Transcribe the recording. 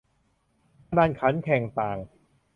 พนันขันแข่งต่าง